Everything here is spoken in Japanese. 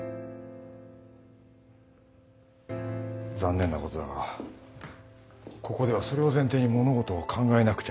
残念なことだがここではそれを前提に物事を考えなくちゃいかん。